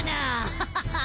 ハハハハ。